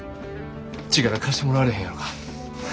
力貸してもらわれへんやろか。